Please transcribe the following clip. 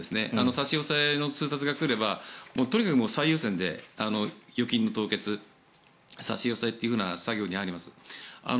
差し押さえの通達が来ればとにかく最優先で預金の凍結、差し押さえという作業に入ります。